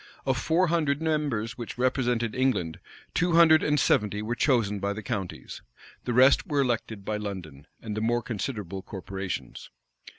Of four hundred members which represented England, two hundred and seventy were chosen by the counties. The rest were elected by London, and the more considerable corporations.